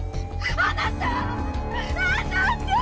あなたー！